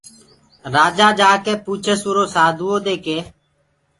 راجآ جآڪي پوٚڇس اُرو سآڌوٚئودي ڪي